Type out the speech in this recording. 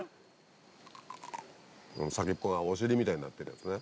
先っぽがお尻みたいになってるやつね。